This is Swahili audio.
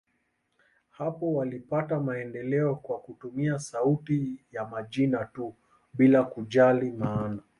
Hapo walipata maendeleo kwa kutumia sauti ya majina tu, bila kujali maana.